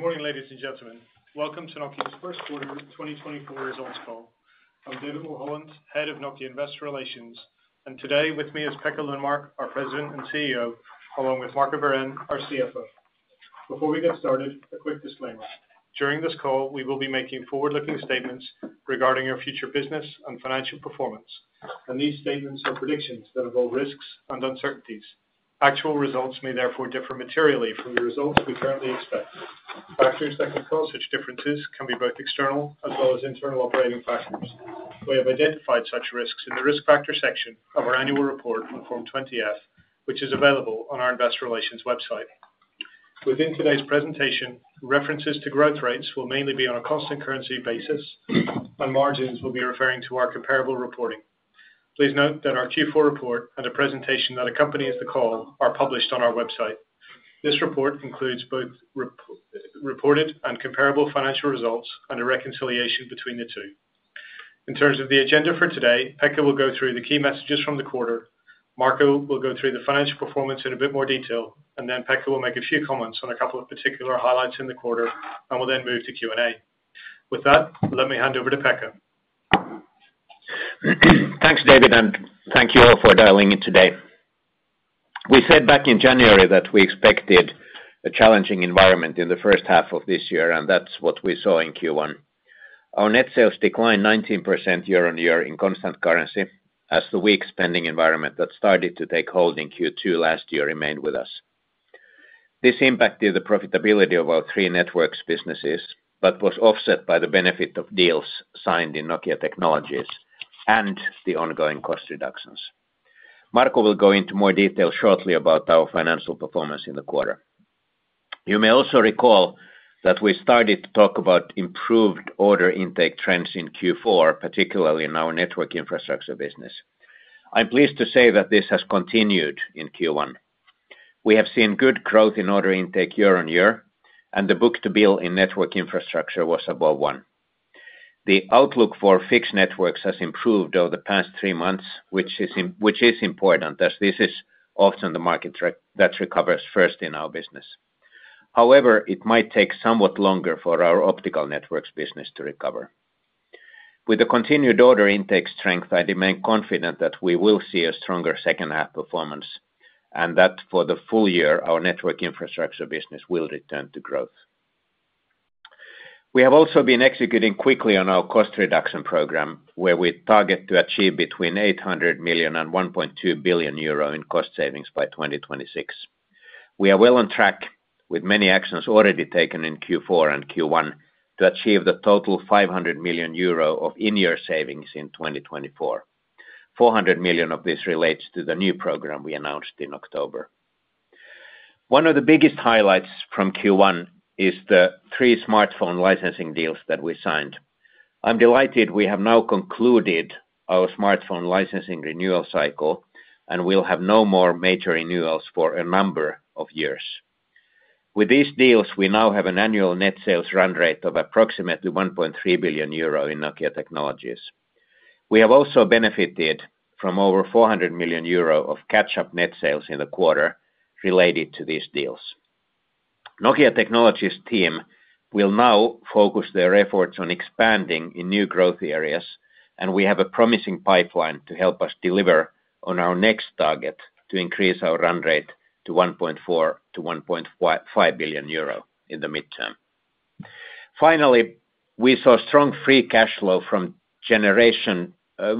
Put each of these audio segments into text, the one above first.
Good morning, ladies and gentlemen. Welcome to Nokia's First Quarter 2024 results call. I'm David Mulholland, Head of Nokia Investor Relations, and today with me is Pekka Lundmark, our president and CEO, along with Marco Wirén, our CFO. Before we get started, a quick disclaimer: during this call we will be making forward-looking statements regarding our future business and financial performance, and these statements are predictions that involve risks and uncertainties. Actual results may therefore differ materially from the results we currently expect. Factors that can cause such differences can be both external as well as internal operating factors. We have identified such risks in the risk factor section of our annual report on Form 20-F, which is available on our Investor Relations website. Within today's presentation, references to growth rates will mainly be on a constant currency basis, and margins will be referring to our comparable reporting. Please note that our Q4 report and a presentation that accompanies the call are published on our website. This report includes both reported and comparable financial results and a reconciliation between the two. In terms of the agenda for today, Pekka will go through the key messages from the quarter, Marco will go through the financial performance in a bit more detail, and then Pekka will make a few comments on a couple of particular highlights in the quarter and will then move to Q&A. With that, let me hand over to Pekka. Thanks, David, and thank you all for dialing in today. We said back in January that we expected a challenging environment in the first half of this year, and that's what we saw in Q1. Our net sales declined 19% year-over-year in constant currency, as the weak spending environment that started to take hold in Q2 last year remained with us. This impacted the profitability of our three networks businesses but was offset by the benefit of deals signed in Nokia Technologies and the ongoing cost reductions. Marco will go into more detail shortly about our financial performance in the quarter. You may also recall that we started to talk about improved order intake trends in Q4, particularly in our network infrastructure business. I'm pleased to say that this has continued in Q1. We have seen good growth in order intake year-over-year, and the book-to-bill in Network Infrastructure was above one. The outlook for Fixed Networks has improved over the past three months, which is important as this is often the market that recovers first in our business. However, it might take somewhat longer for our Optical Networks business to recover. With the continued order intake strength, I remain confident that we will see a stronger second-half performance and that for the full year our Network Infrastructure business will return to growth. We have also been executing quickly on our cost reduction program, where we target to achieve between 800 million and 1.2 billion euro in cost savings by 2026. We are well on track, with many actions already taken in Q4 and Q1 to achieve the total 500 million euro of in-year savings in 2024. 400 million of this relates to the new program we announced in October. One of the biggest highlights from Q1 is the three smartphone licensing deals that we signed. I'm delighted we have now concluded our smartphone licensing renewal cycle, and we'll have no more major renewals for a number of years. With these deals, we now have an annual net sales run rate of approximately 1.3 billion euro in Nokia Technologies. We have also benefited from over 400 million euro of catch-up net sales in the quarter related to these deals. Nokia Technologies' team will now focus their efforts on expanding in new growth areas, and we have a promising pipeline to help us deliver on our next target to increase our run rate to 1.4 billion-1.5 billion euro in the midterm. Finally, we saw strong free cash flow generation in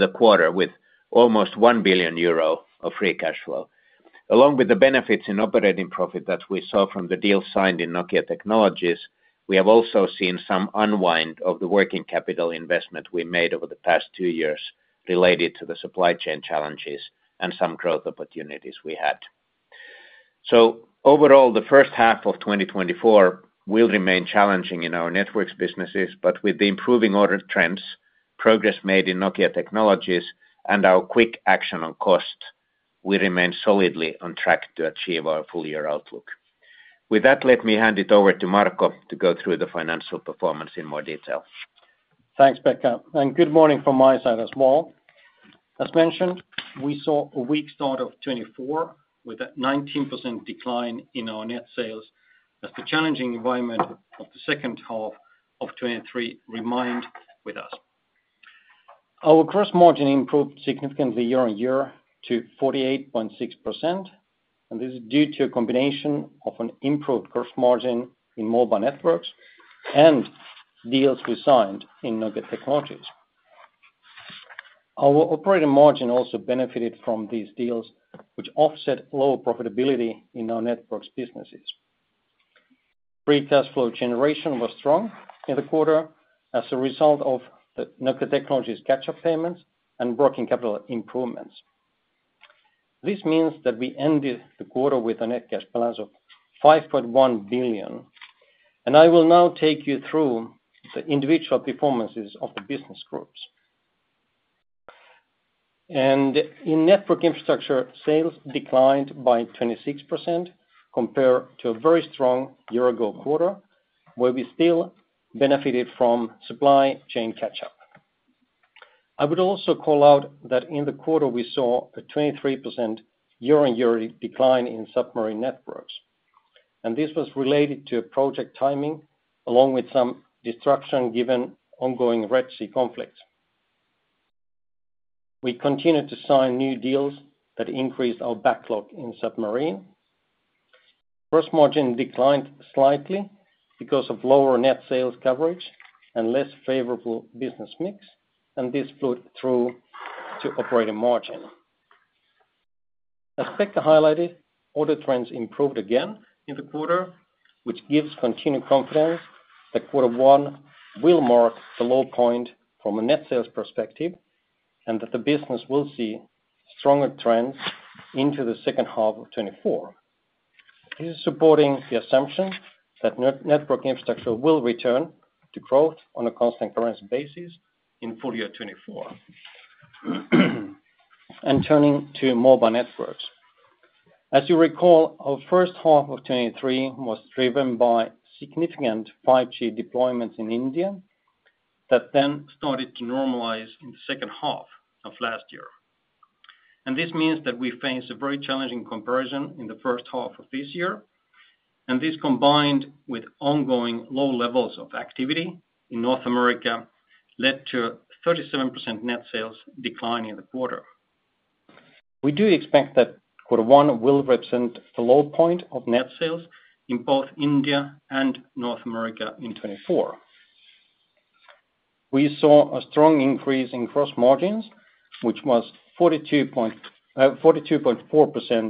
the quarter with almost 1 billion euro of free cash flow. Along with the benefits in operating profit that we saw from the deals signed in Nokia Technologies, we have also seen some unwind of the working capital investment we made over the past two years related to the supply chain challenges and some growth opportunities we had. So overall, the first half of 2024 will remain challenging in our networks businesses, but with the improving order trends, progress made in Nokia Technologies, and our quick action on cost, we remain solidly on track to achieve our full-year outlook. With that, let me hand it over to Marco to go through the financial performance in more detail. Thanks, Pekka, and good morning from my side as well. As mentioned, we saw a weak start of 2024 with a 19% decline in our net sales as the challenging environment of the second half of 2023 remained with us. Our gross margin improved significantly year-on-year to 48.6%, and this is due to a combination of an improved gross margin in mobile networks and deals we signed in Nokia Technologies. Our operating margin also benefited from these deals, which offset lower profitability in our networks businesses. Free cash flow generation was strong in the quarter as a result of the Nokia Technologies' catch-up payments and working capital improvements. This means that we ended the quarter with a net cash balance of 5.1 billion, and I will now take you through the individual performances of the business groups. In network infrastructure, sales declined by 26% compared to a very strong year-ago quarter, where we still benefited from supply chain catch-up. I would also call out that in the quarter we saw a 23% year-on-year decline in submarine networks, and this was related to project timing along with some destruction given ongoing Red Sea conflicts. We continued to sign new deals that increased our backlog in submarine. Gross margin declined slightly because of lower net sales coverage and less favorable business mix, and this flowed through to operating margin. As Pekka highlighted, order trends improved again in the quarter, which gives continued confidence that quarter one will mark the low point from a net sales perspective and that the business will see stronger trends into the second half of 2024. This is supporting the assumption that Network Infrastructure will return to growth on a constant currency basis in full year 2024. Turning to Mobile Networks. As you recall, our first half of 2023 was driven by significant 5G deployments in India that then started to normalize in the second half of last year. This means that we face a very challenging comparison in the first half of this year, and this combined with ongoing low levels of activity in North America led to a 37% net sales decline in the quarter. We do expect that quarter one will represent the low point of net sales in both India and North America in 2024. We saw a strong increase in gross margins, which was 42.4%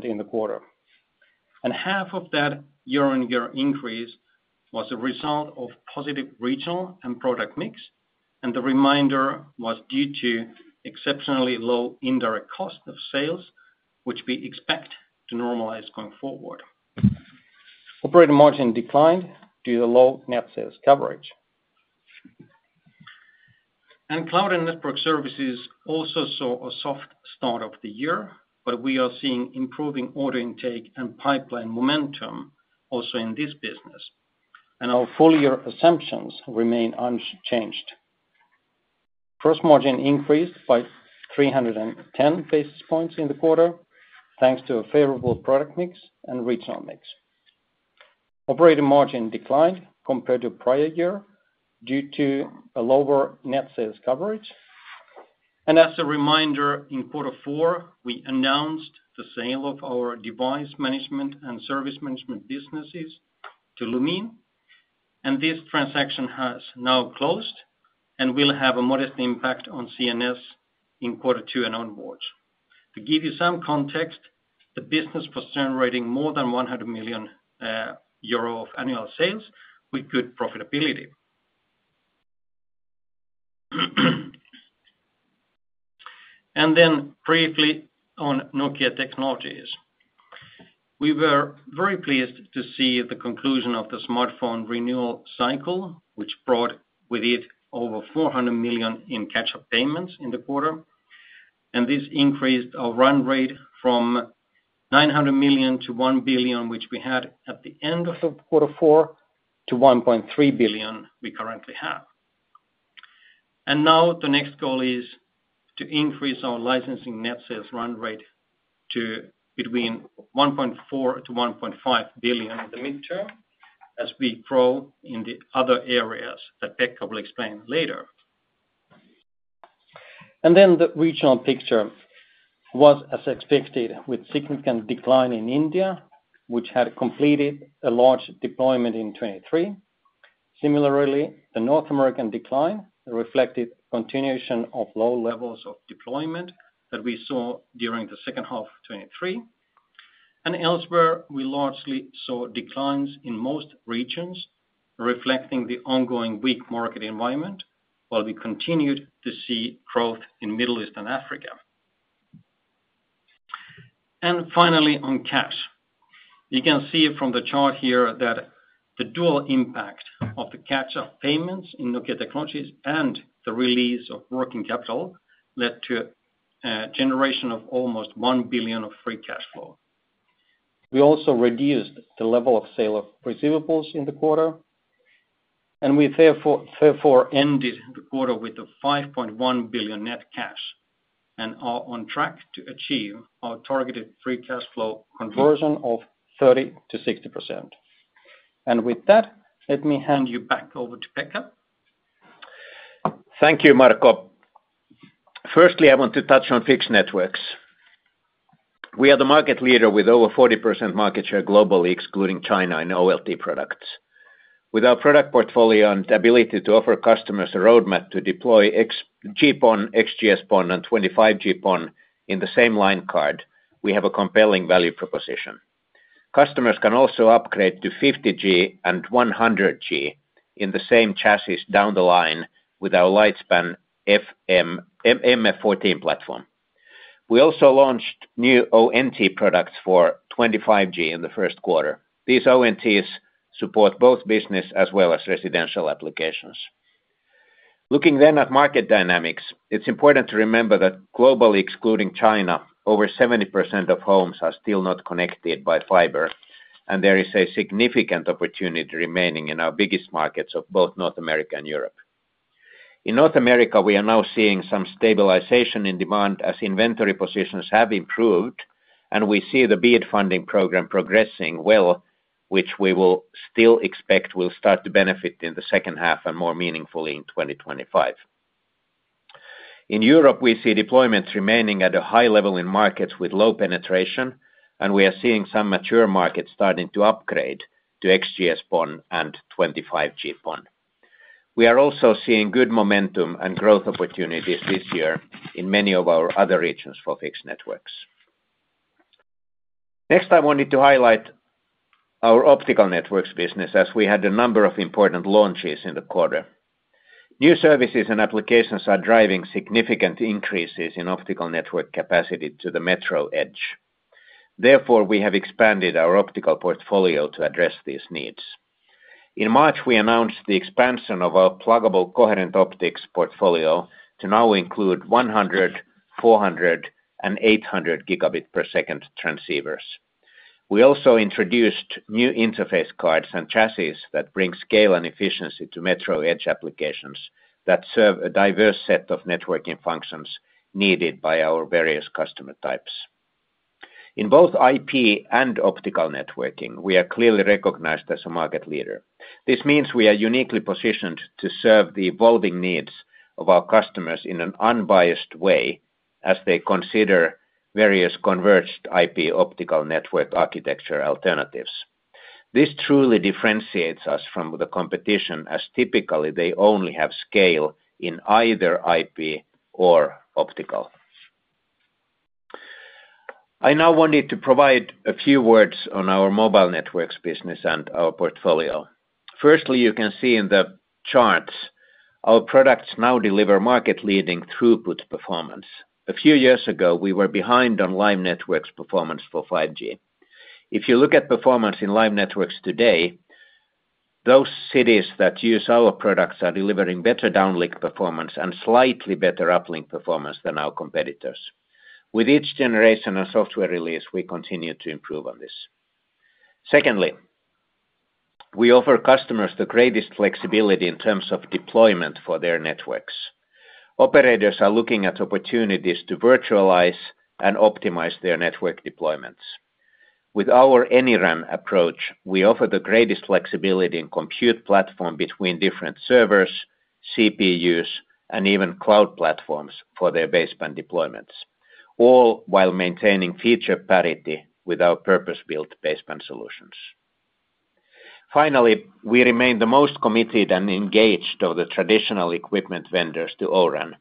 in the quarter. Half of that year-on-year increase was a result of positive regional and product mix, and the remainder was due to exceptionally low indirect costs of sales, which we expect to normalize going forward. Operating margin declined due to low net sales coverage. Cloud and Network Services also saw a soft start of the year, but we are seeing improving order intake and pipeline momentum also in this business, and our full-year assumptions remain unchanged. Gross margin increased by 310 basis points in the quarter thanks to a favorable product mix and regional mix. Operating margin declined compared to prior year due to lower net sales coverage. As a reminder, in quarter four we announced the sale of our device management and service management businesses to Lumen, and this transaction has now closed and will have a modest impact on CNS in quarter two and onwards. To give you some context, the business was generating more than 100 million euro of annual sales with good profitability. Then, briefly on Nokia Technologies. We were very pleased to see the conclusion of the smartphone renewal cycle, which brought with it over 400 million in catch-up payments in the quarter, and this increased our run rate from 900 million to 1 billion, which we had at the end of quarter four, to 1.3 billion we currently have. Now, the next goal is to increase our licensing net sales run rate to between 1.4 billion-1.5 billion in the midterm as we grow in the other areas that Pekka will explain later. Then, the regional picture was as expected with significant decline in India, which had completed a large deployment in 2023. Similarly, the North American decline reflected continuation of low levels of deployment that we saw during the second half of 2023. Elsewhere we largely saw declines in most regions, reflecting the ongoing weak market environment while we continued to see growth in Middle East and Africa. Finally on cash. You can see from the chart here that the dual impact of the catch-up payments in Nokia Technologies and the release of working capital led to a generation of almost 1 billion of free cash flow. We also reduced the level of sale of receivables in the quarter, and we therefore ended the quarter with a 5.1 billion net cash and are on track to achieve our targeted free cash flow conversion of 30%-60%. With that, let me hand you back over to Pekka. Thank you, Marco. Firstly, I want to touch on fixed networks. We are the market leader with over 40% market share globally, excluding China and OLT products. With our product portfolio and ability to offer customers a roadmap to deploy GPON, XGS-PON, and 25G PON in the same line card, we have a compelling value proposition. Customers can also upgrade to 50G and 100G in the same chassis down the line with our Lightspan MF14 platform. We also launched new ONT products for 25G in the first quarter. These ONTs support both business as well as residential applications. Looking then at market dynamics, it's important to remember that globally excluding China, over 70% of homes are still not connected by fiber, and there is a significant opportunity remaining in our biggest markets of both North America and Europe. In North America, we are now seeing some stabilization in demand as inventory positions have improved, and we see the BEAD funding program progressing well, which we will still expect will start to benefit in the second half and more meaningfully in 2025. In Europe, we see deployments remaining at a high level in markets with low penetration, and we are seeing some mature markets starting to upgrade to XGS-PON and 25G PON. We are also seeing good momentum and growth opportunities this year in many of our other regions for fixed networks. Next, I wanted to highlight our optical networks business as we had a number of important launches in the quarter. New services and applications are driving significant increases in optical network capacity to the metro edge. Therefore, we have expanded our optical portfolio to address these needs. In March, we announced the expansion of our pluggable coherent optics portfolio to now include 100, 400, and 800 gigabit per second transceivers. We also introduced new interface cards and chassis that bring scale and efficiency to metro edge applications that serve a diverse set of networking functions needed by our various customer types. In both IP and optical networking, we are clearly recognized as a market leader. This means we are uniquely positioned to serve the evolving needs of our customers in an unbiased way as they consider various converged IP optical network architecture alternatives. This truly differentiates us from the competition as typically they only have scale in either IP or optical. I now wanted to provide a few words on our mobile networks business and our portfolio. Firstly, you can see in the charts our products now deliver market-leading throughput performance. A few years ago, we were behind on live networks performance for 5G. If you look at performance in live networks today, those cities that use our products are delivering better downlink performance and slightly better uplink performance than our competitors. With each generation of software release, we continue to improve on this. Secondly, we offer customers the greatest flexibility in terms of deployment for their networks. Operators are looking at opportunities to virtualize and optimize their network deployments. With our anyRAN approach, we offer the greatest flexibility in compute platform between different servers, CPUs, and even cloud platforms for their baseband deployments, all while maintaining feature parity with our purpose-built baseband solutions. Finally, we remain the most committed and engaged of the traditional equipment vendors to O-RAN.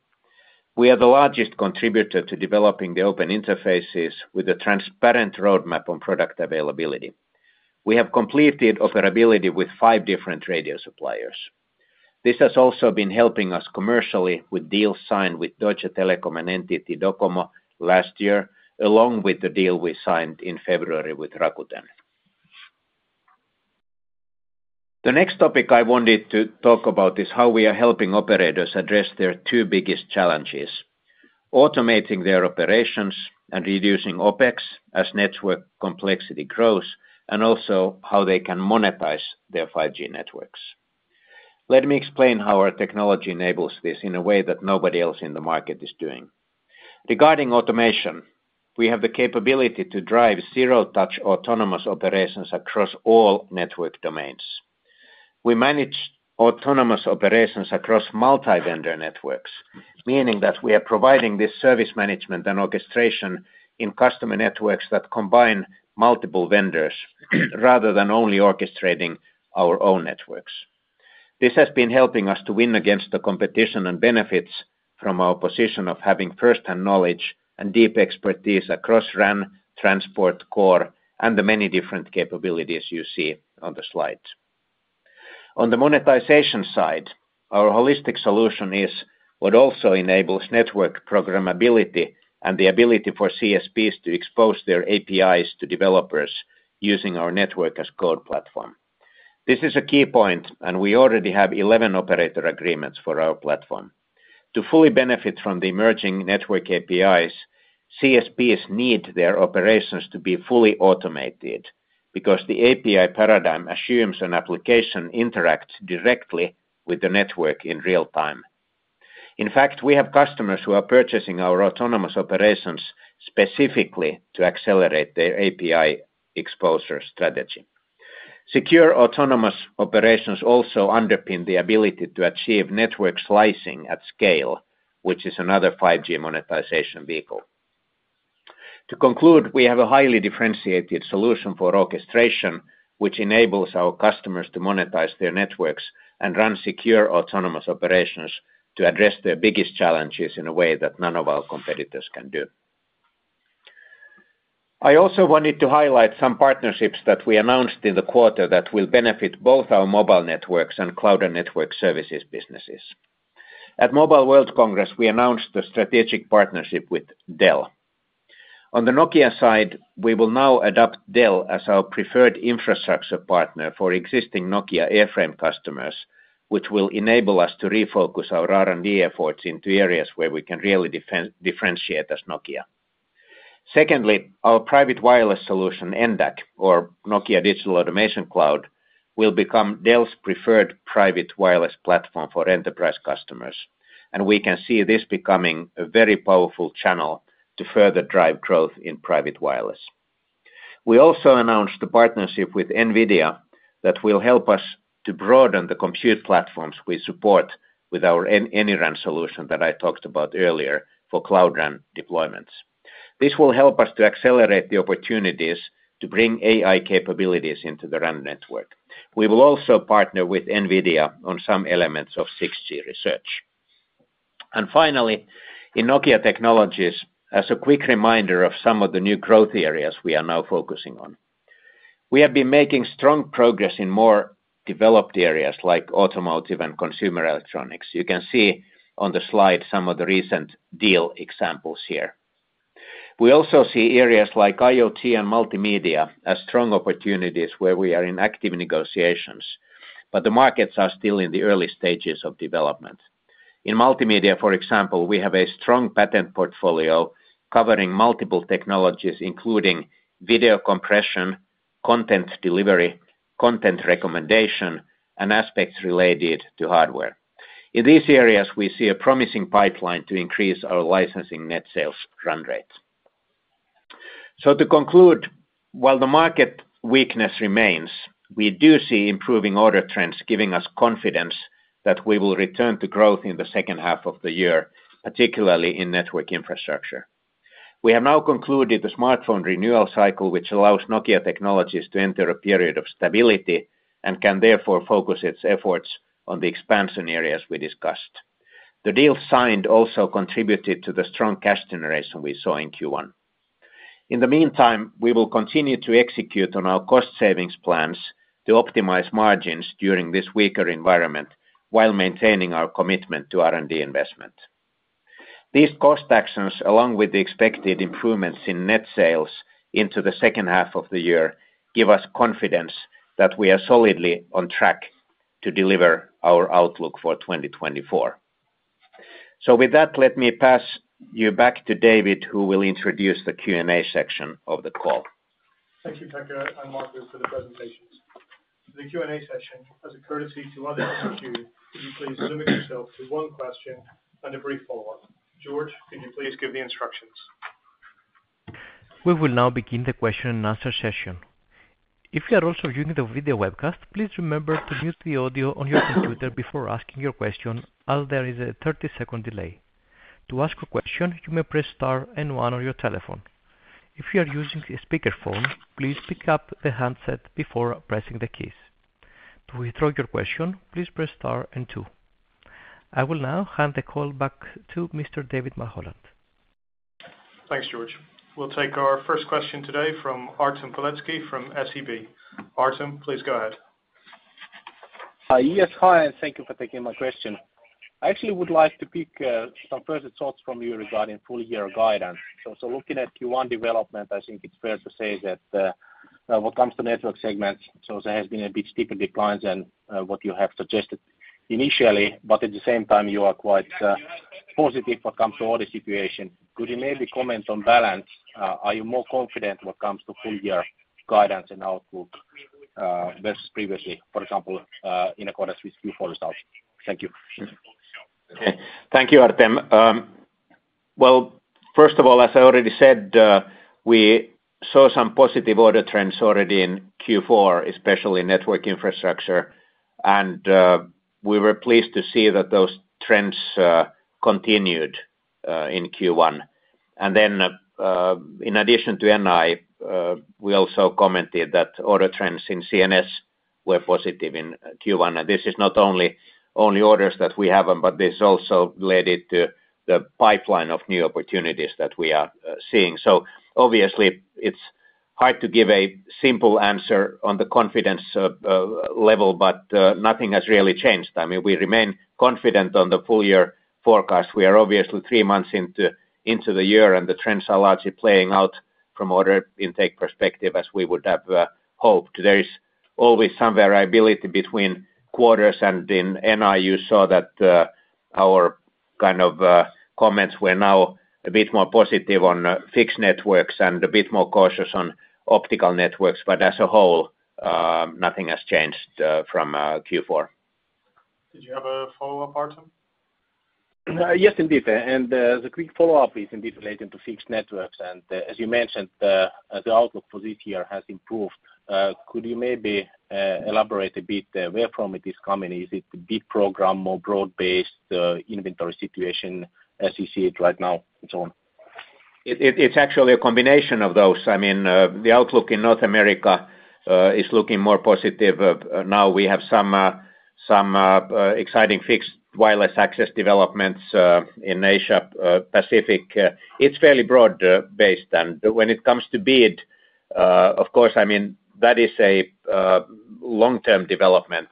We are the largest contributor to developing the open interfaces with a transparent roadmap on product availability. We have completed interoperability with five different radio suppliers. This has also been helping us commercially with deals signed with Deutsche Telekom and NTT Docomo last year, along with the deal we signed in February with Rakuten. The next topic I wanted to talk about is how we are helping operators address their two biggest challenges: automating their operations and reducing OPEX as network complexity grows, and also how they can monetize their 5G networks. Let me explain how our technology enables this in a way that nobody else in the market is doing. Regarding automation, we have the capability to drive zero-touch autonomous operations across all network domains. We manage autonomous operations across multi-vendor networks, meaning that we are providing this service management and orchestration in customer networks that combine multiple vendors rather than only orchestrating our own networks. This has been helping us to win against the competition and benefits from our position of having first-hand knowledge and deep expertise across RAN, transport, core, and the many different capabilities you see on the slides. On the monetization side, our holistic solution is what also enables network programmability and the ability for CSPs to expose their APIs to developers using our Network as Code platform. This is a key point, and we already have 11 operator agreements for our platform. To fully benefit from the emerging network APIs, CSPs need their operations to be fully automated because the API paradigm assumes an application interacts directly with the network in real time. In fact, we have customers who are purchasing our autonomous operations specifically to accelerate their API exposure strategy. Secure autonomous operations also underpin the ability to achieve network slicing at scale, which is another 5G monetization vehicle. To conclude, we have a highly differentiated solution for orchestration, which enables our customers to monetize their networks and run secure autonomous operations to address their biggest challenges in a way that none of our competitors can do. I also wanted to highlight some partnerships that we announced in the quarter that will benefit both our Mobile Networks and Cloud and Network Services businesses. At Mobile World Congress, we announced a strategic partnership with Dell. On the Nokia side, we will now adopt Dell as our preferred infrastructure partner for existing Nokia AirFrame customers, which will enable us to refocus our R&D efforts into areas where we can really differentiate as Nokia. Secondly, our private wireless solution NDAC, or Nokia Digital Automation Cloud, will become Dell's preferred private wireless platform for enterprise customers, and we can see this becoming a very powerful channel to further drive growth in private wireless. We also announced a partnership with NVIDIA that will help us to broaden the compute platforms we support with our anyRAN solution that I talked about earlier for cloud RAN deployments. This will help us to accelerate the opportunities to bring AI capabilities into the RAN network. We will also partner with NVIDIA on some elements of 6G research. And finally, in Nokia Technologies, as a quick reminder of some of the new growth areas we are now focusing on, we have been making strong progress in more developed areas like automotive and consumer electronics. You can see on the slide some of the recent deal examples here. We also see areas like IoT and multimedia as strong opportunities where we are in active negotiations, but the markets are still in the early stages of development. In multimedia, for example, we have a strong patent portfolio covering multiple technologies, including video compression, content delivery, content recommendation, and aspects related to hardware. In these areas, we see a promising pipeline to increase our licensing net sales run rate. So to conclude, while the market weakness remains, we do see improving order trends giving us confidence that we will return to growth in the second half of the year, particularly in network infrastructure. We have now concluded the smartphone renewal cycle, which allows Nokia Technologies to enter a period of stability and can therefore focus its efforts on the expansion areas we discussed. The deal signed also contributed to the strong cash generation we saw in Q1. In the meantime, we will continue to execute on our cost savings plans to optimize margins during this weaker environment while maintaining our commitment to R&D investment. These cost actions, along with the expected improvements in net sales into the second half of the year, give us confidence that we are solidly on track to deliver our outlook for 2024. So with that, let me pass you back to David, who will introduce the Q&A section of the call. Thank you, Pekka, and Marco for the presentations. For the Q&A session, as a courtesy to others on the queue, could you please limit yourself to one question and a brief follow-up? George, could you please give the instructions? We will now begin the question and answer session. If you are also viewing the video webcast, please remember to mute the audio on your computer before asking your question as there is a 30-second delay. To ask a question, you may press star and one on your telephone. If you are using a speakerphone, please pick up the handset before pressing the keys. To withdraw your question, please press star and two. I will now hand the call back to Mr. David Mulholland. Thanks, George. We'll take our first question today from Artem Beletski from SEB. Artem, please go ahead. Yes, hi, and thank you for taking my question. I actually would like to pick some first thoughts from you regarding full year guidance. So looking at Q1 development, I think it's fair to say that when it comes to network segments, there have been a bit steeper declines than what you have suggested initially, but at the same time, you are quite positive when it comes to order situation. Could you maybe comment on balance? Are you more confident when it comes to full year guidance and outlook versus previously, for example, in accordance with Q4 results? Thank you. Thank you, Artem. Well, first of all, as I already said, we saw some positive order trends already in Q4, especially Network Infrastructure, and we were pleased to see that those trends continued in Q1. And then in addition to NI, we also commented that order trends in CNS were positive in Q1, and this is not only orders that we have, but this also led to the pipeline of new opportunities that we are seeing. So obviously, it's hard to give a simple answer on the confidence level, but nothing has really changed. I mean, we remain confident on the full year forecast. We are obviously three months into the year, and the trends are largely playing out from order intake perspective as we would have hoped. There is always some variability between quarters, and in NI, you saw that our kind of comments were now a bit more positive on fixed networks and a bit more cautious on optical networks, but as a whole, nothing has changed from Q4. Did you have a follow-up, Artem? Yes, indeed. And as a quick follow-up, please, indeed relating to fixed networks, and as you mentioned, the outlook for this year has improved. Could you maybe elaborate a bit where from it is coming? Is it a big program, more broad-based inventory situation as you see it right now, and so on? It's actually a combination of those. I mean, the outlook in North America is looking more positive. Now we have some exciting fixed wireless access developments in Asia Pacific. It's fairly broad-based, and when it comes to BEAD, of course, I mean, that is a long-term development.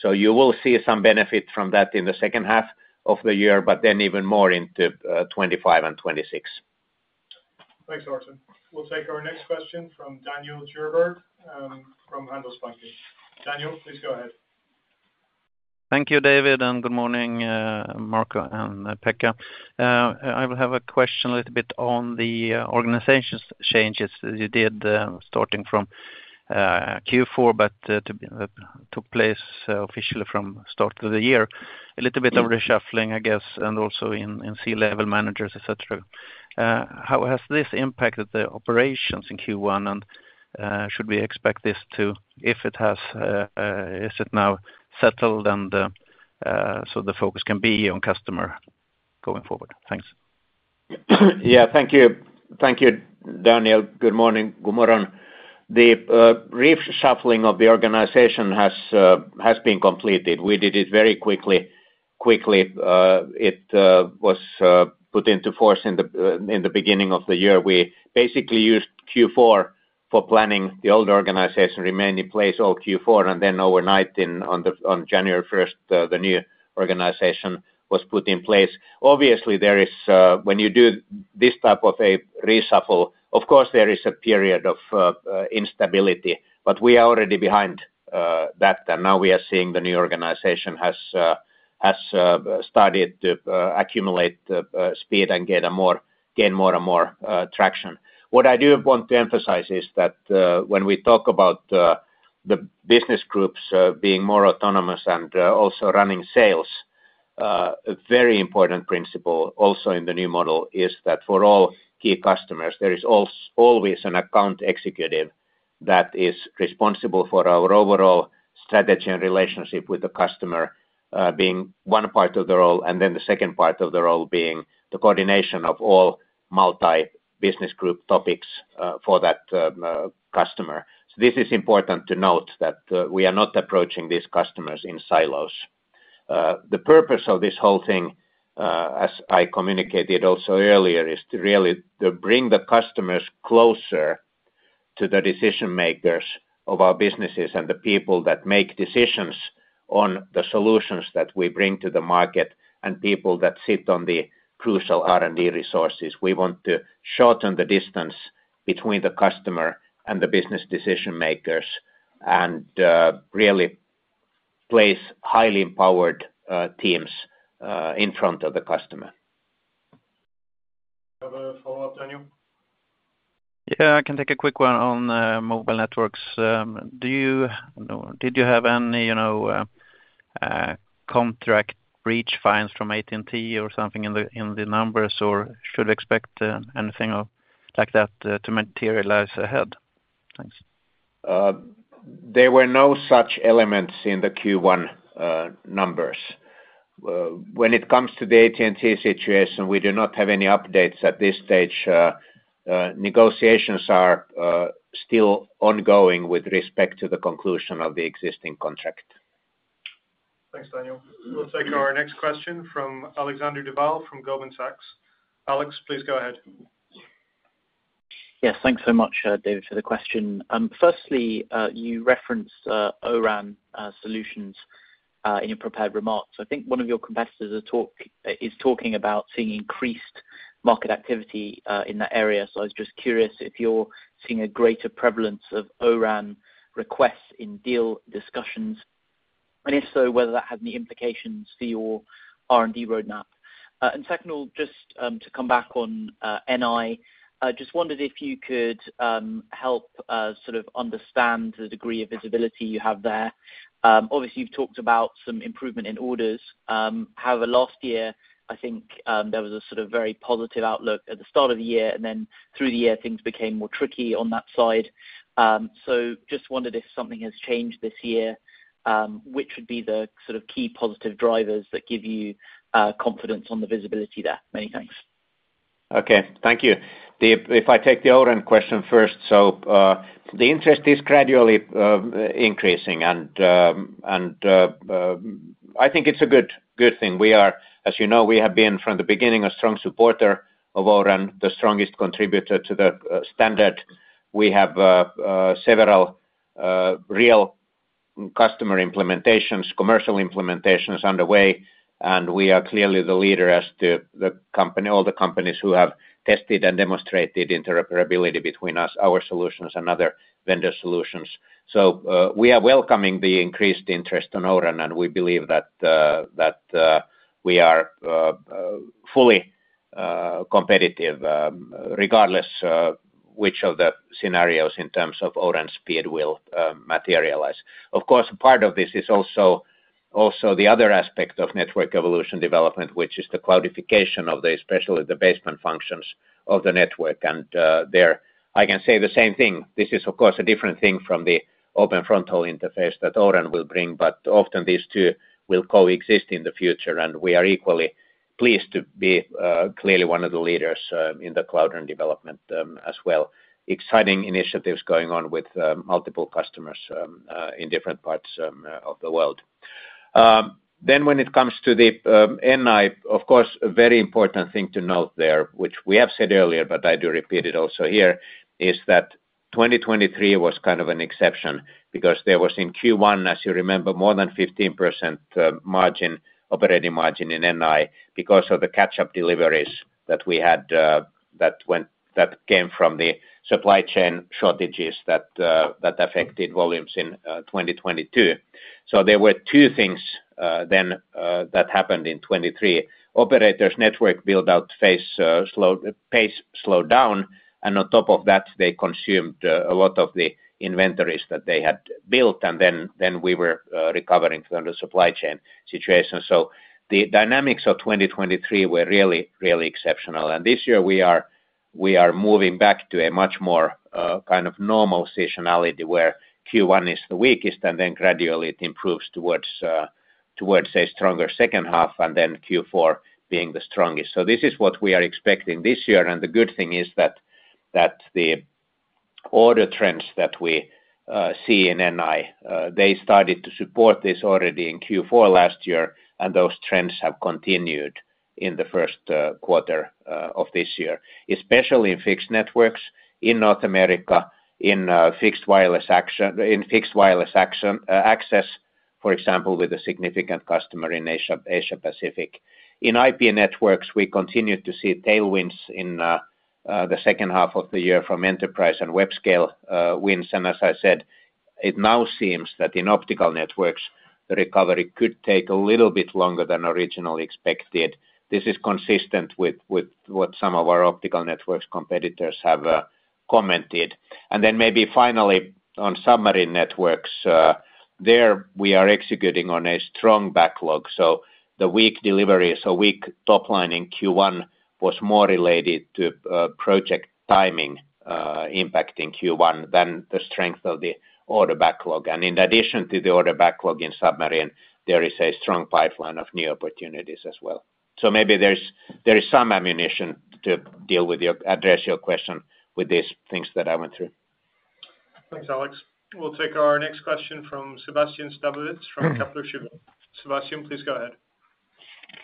So you will see some benefit from that in the second half of the year, but then even more into 2025 and 2026. Thanks, Artem. We'll take our next question from Daniel Djurberg from Handelsbanken. Daniel, please go ahead. Thank you, David Mulholland, and good morning, Marco Wirén and Pekka Lundmark. I will have a question a little bit on the organizational changes that you did starting from Q4, but took place officially from the start of the year. A little bit of reshuffling, I guess, and also in C-level managers, etc. How has this impacted the operations in Q1, and should we expect this to if it has is it now settled and so the focus can be on customer going forward? Thanks. Yeah, thank you. Thank you, Daniel. Good morning. Good morning. The reshuffling of the organization has been completed. We did it very quickly. It was put into force in the beginning of the year. We basically used Q4 for planning. The old organization remained in place all Q4, and then overnight, on January 1st, the new organization was put in place. Obviously, when you do this type of a reshuffle, of course, there is a period of instability, but we are already behind that, and now we are seeing the new organization has started to accumulate speed and gain more and more traction. What I do want to emphasize is that when we talk about the business groups being more autonomous and also running sales, a very important principle also in the new model is that for all key customers, there is always an account executive that is responsible for our overall strategy and relationship with the customer being one part of the role, and then the second part of the role being the coordination of all multi-business group topics for that customer. So this is important to note that we are not approaching these customers in silos. The purpose of this whole thing, as I communicated also earlier, is to really bring the customers closer to the decision-makers of our businesses and the people that make decisions on the solutions that we bring to the market and people that sit on the crucial R&D resources. We want to shorten the distance between the customer and the business decision-makers and really place highly empowered teams in front of the customer. Have a follow-up, Daniel? Yeah, I can take a quick one on mobile networks. Did you have any contract breach fines from AT&T or something in the numbers, or should we expect anything like that to materialize ahead? Thanks. There were no such elements in the Q1 numbers. When it comes to the AT&T situation, we do not have any updates at this stage. Negotiations are still ongoing with respect to the conclusion of the existing contract. Thanks, Daniel. We'll take our next question from Alexander Duval from Goldman Sachs. Alex, please go ahead. Yes, thanks so much, David, for the question. Firstly, you referenced O-RAN solutions in your prepared remarks. I think one of your competitors is talking about seeing increased market activity in that area, so I was just curious if you're seeing a greater prevalence of O-RAN requests in deal discussions. And if so, whether that has any implications for your R&D roadmap. And second, just to come back on NI, I just wondered if you could help sort of understand the degree of visibility you have there. Obviously, you've talked about some improvement in orders. However, last year, I think there was a sort of very positive outlook at the start of the year, and then through the year, things became more tricky on that side. So just wondered if something has changed this year. Which would be the sort of key positive drivers that give you confidence on the visibility there? Many thanks. Okay, thank you. If I take the O-RAN question first. So the interest is gradually increasing, and I think it's a good thing. As you know, we have been from the beginning a strong supporter of O-RAN, the strongest contributor to the standard. We have several real customer implementations, commercial implementations underway, and we are clearly the leader as to all the companies who have tested and demonstrated interoperability between our solutions and other vendor solutions. So we are welcoming the increased interest on O-RAN, and we believe that we are fully competitive regardless of which of the scenarios in terms of O-RAN speed will materialize. Of course, part of this is also the other aspect of network evolution development, which is the cloudification of the, especially the baseband functions of the network. And I can say the same thing. This is, of course, a different thing from the open fronthaul interface that O-RAN will bring, but often these two will coexist in the future, and we are equally pleased to be clearly one of the leaders in the cloud and development as well. Exciting initiatives going on with multiple customers in different parts of the world. Then when it comes to the NI, of course, a very important thing to note there, which we have said earlier, but I do repeat it also here, is that 2023 was kind of an exception because there was in Q1, as you remember, more than 15% operating margin in NI because of the catch-up deliveries that we had that came from the supply chain shortages that affected volumes in 2022. So there were two things then that happened in 2023. Operators' network buildout phase slowed down, and on top of that, they consumed a lot of the inventories that they had built, and then we were recovering from the supply chain situation. So the dynamics of 2023 were really, really exceptional, and this year we are moving back to a much more kind of normal seasonality where Q1 is the weakest, and then gradually it improves towards a stronger second half, and then Q4 being the strongest. So this is what we are expecting this year, and the good thing is that the order trends that we see in NI, they started to support this already in Q4 last year, and those trends have continued in the first quarter of this year, especially in Fixed Networks, in North America, in fixed wireless access, for example, with a significant customer in Asia Pacific. In IP networks, we continue to see tailwinds in the second half of the year from enterprise and web-scale wins, and as I said, it now seems that in optical networks, the recovery could take a little bit longer than originally expected. This is consistent with what some of our optical networks competitors have commented. Then maybe finally, on submarine networks, there we are executing on a strong backlog. The weak deliveries, a weak top line in Q1 was more related to project timing impacting Q1 than the strength of the order backlog. In addition to the order backlog in submarine, there is a strong pipeline of new opportunities as well. Maybe there is some ammunition to address your question with these things that I went through. Thanks, Alex. We'll take our next question from Sébastien Sztabowicz from Kepler Cheuvreux. Sebastian, please go ahead.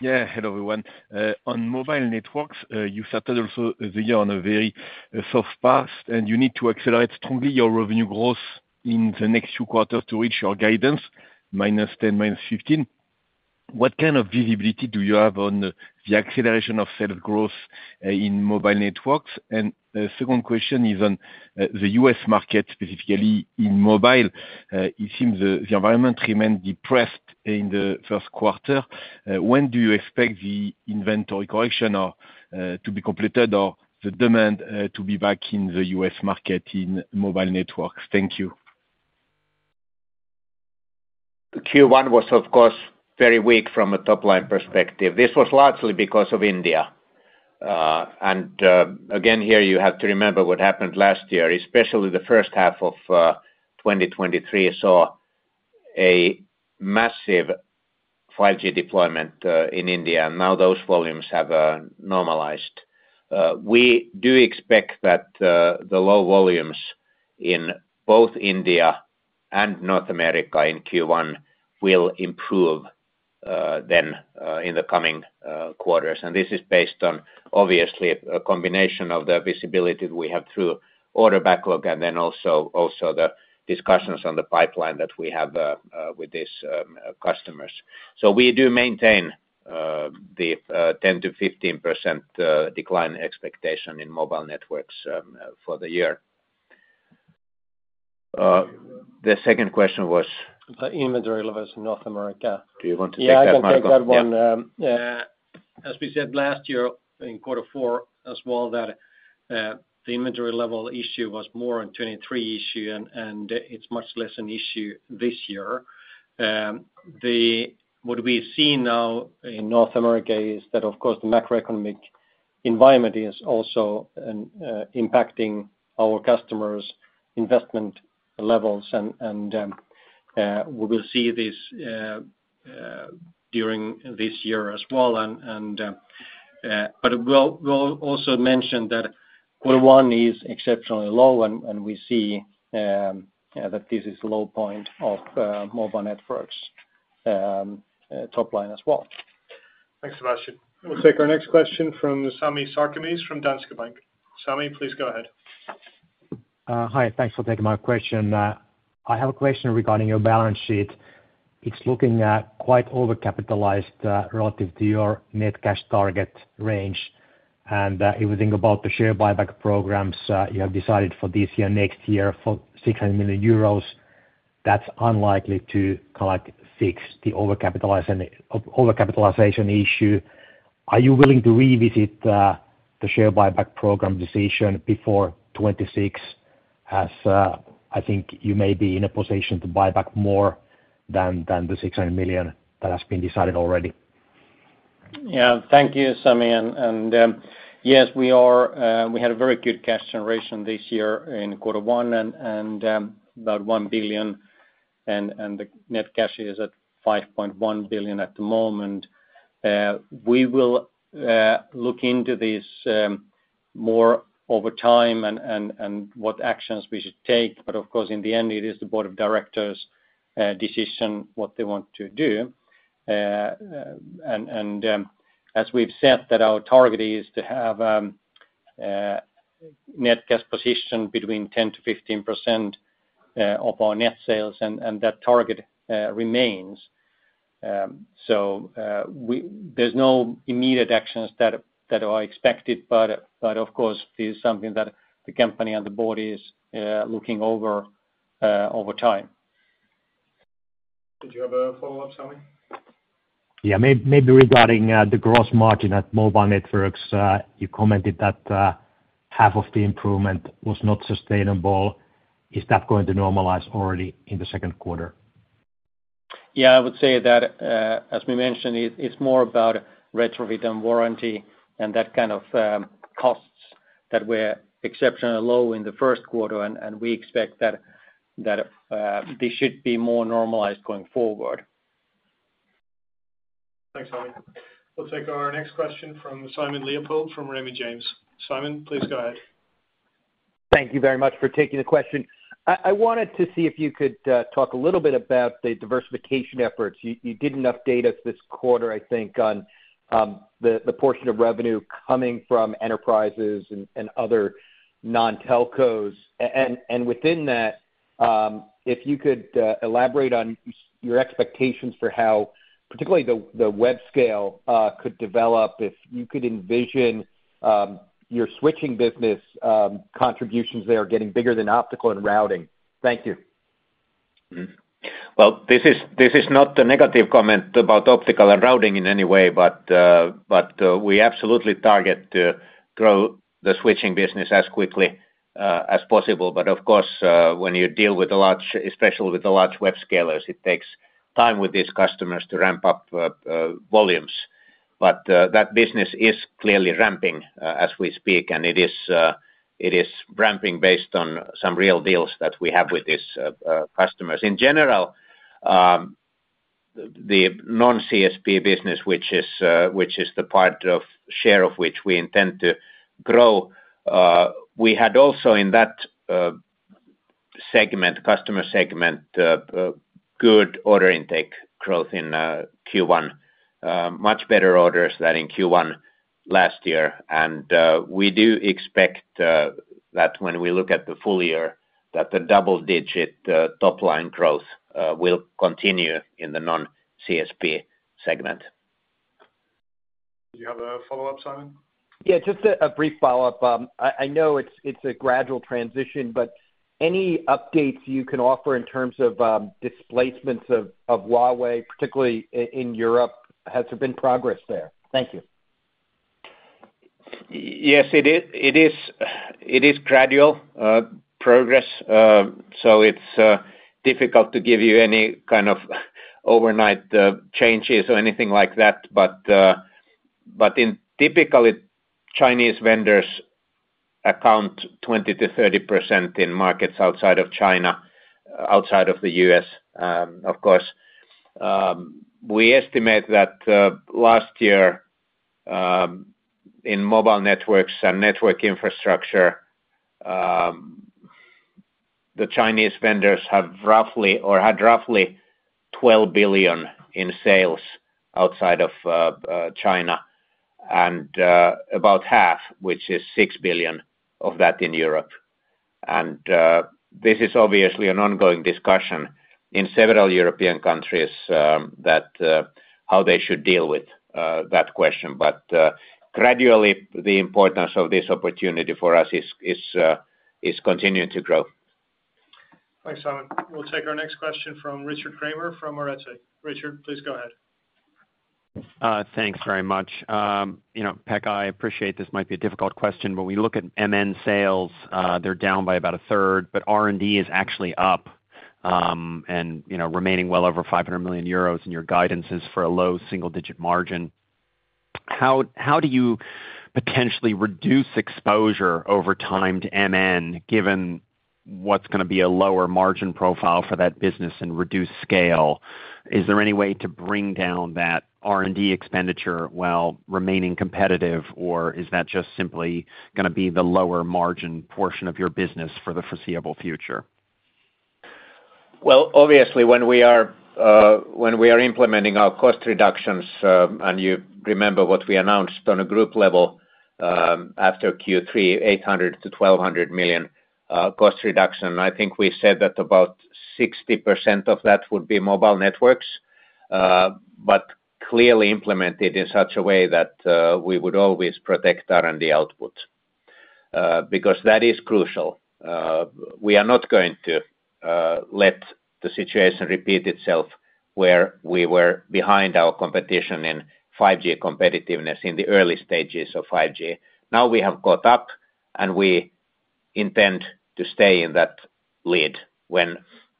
Yeah, hello everyone. On mobile networks, you started also the year on a very soft path, and you need to accelerate strongly your revenue growth in the next two quarters to reach your guidance, -10 to -15. What kind of visibility do you have on the acceleration of sales growth in mobile networks? And the second question is on the U.S. market, specifically in mobile. It seems the environment remained depressed in the first quarter. When do you expect the inventory correction to be completed or the demand to be back in the U.S. market in mobile networks? Thank you. Q1 was, of course, very weak from a topline perspective. This was largely because of India. And again, here you have to remember what happened last year, especially the first half of 2023 saw a massive 5G deployment in India, and now those volumes have normalized. We do expect that the low volumes in both India and North America in Q1 will improve then in the coming quarters. And this is based on, obviously, a combination of the visibility we have through order backlog and then also the discussions on the pipeline that we have with these customers. So we do maintain the 10%-15% decline expectation in mobile networks for the year. The second question was. Inventory levels in North America. Do you want to take that, Marco? Yeah, I can take that one. Yeah. As we said last year in quarter four as well, that the inventory level issue was more a 2023 issue, and it's much less an issue this year. What we see now in North America is that, of course, the macroeconomic environment is also impacting our customers' investment levels, and we will see this during this year as well. But we'll also mention that quarter one is exceptionally low, and we see that this is a low point of mobile networks topline as well. Thanks, Sebastian. We'll take our next question from Sami Sarkamies from Danske Bank. Sami, please go ahead. Hi, thanks for taking my question. I have a question regarding your balance sheet. It's looking quite overcapitalized relative to your net cash target range. If we think about the share buyback programs you have decided for this year and next year for 600 million euros, that's unlikely to fix the overcapitalization issue. Are you willing to revisit the share buyback program decision before 2026, as I think you may be in a position to buy back more than the 600 million that has been decided already? Yeah, thank you, Sami. Yes, we had a very good cash generation this year in quarter one, and about 1 billion, and the net cash is at 5.1 billion at the moment. We will look into this more over time and what actions we should take, but of course, in the end, it is the board of directors' decision what they want to do. As we've said, our target is to have a net cash position between 10%-15% of our net sales, and that target remains. So there's no immediate actions that are expected, but of course, this is something that the company and the board is looking over time. Did you have a follow-up, Sami? Yeah, maybe regarding the gross margin at mobile networks. You commented that half of the improvement was not sustainable. Is that going to normalize already in the second quarter? Yeah, I would say that, as we mentioned, it's more about retrofit and warranty and that kind of costs that were exceptionally low in the first quarter, and we expect that this should be more normalized going forward. Thanks, Sami. We'll take our next question from Simon Leopold from Raymond James. Simon, please go ahead. Thank you very much for taking the question. I wanted to see if you could talk a little bit about the diversification efforts. You provided enough data this quarter, I think, on the portion of revenue coming from enterprises and other non-telcos. And within that, if you could elaborate on your expectations for how particularly the web-scale could develop, if you could envision your switching business contributions there getting bigger than optical and routing. Thank you. Well, this is not a negative comment about optical and routing in any way, but we absolutely target to grow the switching business as quickly as possible. But of course, when you deal with a large, especially with the large web-scalers, it takes time with these customers to ramp up volumes. But that business is clearly ramping as we speak, and it is ramping based on some real deals that we have with these customers. In general, the non-CSP business, which is the part of share of which we intend to grow, we had also in that customer segment good order intake growth in Q1, much better orders than in Q1 last year. And we do expect that when we look at the full year, that the double-digit topline growth will continue in the non-CSP segment. Did you have a follow-up, Simon? Yeah, just a brief follow-up. I know it's a gradual transition, but any updates you can offer in terms of displacements of Huawei, particularly in Europe, has there been progress there? Thank you. Yes, it is gradual progress, so it's difficult to give you any kind of overnight changes or anything like that. But typically, Chinese vendors account 20%-30% in markets outside of China, outside of the U.S., of course. We estimate that last year in Mobile Networks and Network Infrastructure, the Chinese vendors have roughly or had roughly 12 billion in sales outside of China and about half, which is 6 billion of that in Europe. And this is obviously an ongoing discussion in several European countries how they should deal with that question. But gradually, the importance of this opportunity for us is continuing to grow. Thanks, Simon. We'll take our next question from Richard Kramer from Arete. Richard, please go ahead. Thanks very much. Pekka, I appreciate this might be a difficult question, but we look at MN sales. They're down by about a third, but R&D is actually up and remaining well over 500 million euros, and your guidance is for a low single-digit margin. How do you potentially reduce exposure over time to MN given what's going to be a lower margin profile for that business and reduce scale? Is there any way to bring down that R&D expenditure while remaining competitive, or is that just simply going to be the lower margin portion of your business for the foreseeable future? Well, obviously, when we are implementing our cost reductions, and you remember what we announced on a group level after Q3, 800 million-1,200 million cost reduction, I think we said that about 60% of that would be mobile networks, but clearly implemented in such a way that we would always protect R&D output because that is crucial. We are not going to let the situation repeat itself where we were behind our competition in 5G competitiveness in the early stages of 5G. Now we have caught up, and we intend to stay in that lead when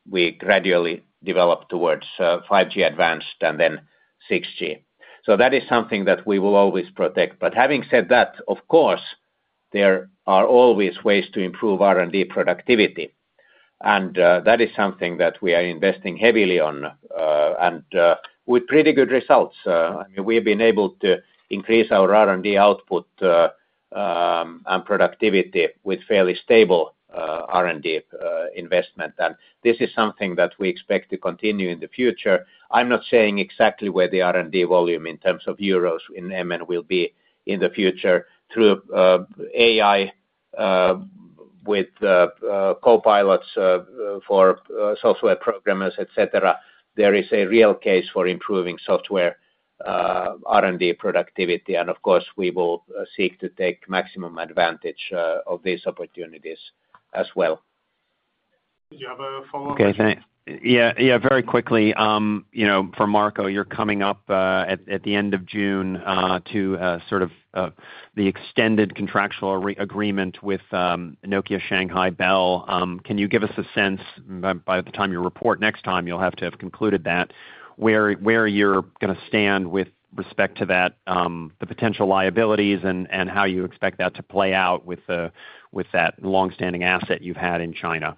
we gradually develop towards 5G advanced and then 6G. So that is something that we will always protect. But having said that, of course, there are always ways to improve R&D productivity, and that is something that we are investing heavily on and with pretty good results. I mean, we have been able to increase our R&D output and productivity with fairly stable R&D investment, and this is something that we expect to continue in the future. I'm not saying exactly where the R&D volume in terms of euros in MN will be in the future. Through AI with copilots for software programmers, etc., there is a real case for improving software R&D productivity. And of course, we will seek to take maximum advantage of these opportunities as well. Did you have a follow-up? Okay, thanks. Yeah, very quickly, for Marco, you're coming up at the end of June to sort of the extended contractual agreement with Nokia Shanghai Bell. Can you give us a sense by the time you report next time? You'll have to have concluded that where you're going to stand with respect to that, the potential liabilities, and how you expect that to play out with that longstanding asset you've had in China?